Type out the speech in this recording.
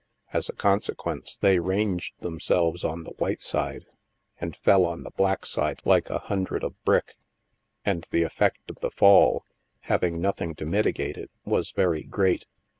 As a consequence, they ranged themselves on the white side, and fell on the black side like a hundred of brick. And the effect of the fall, having nothing to mitigate it, was very great.